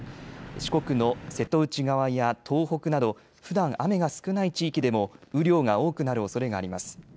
四国の瀬戸内側や東北などふだん雨が少ない地域でも雨量が多くなるおそれがあります。